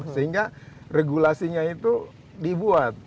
sehingga regulasinya itu dibuat